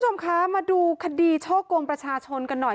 คุณผู้ชมคะมาดูคดีช่อกงประชาชนกันหน่อย